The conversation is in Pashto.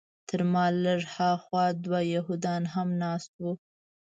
تر ما لږ هاخوا دوه یهودان هم ناست وو.